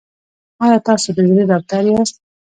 ایا تاسو د زړه ډاکټر یاست؟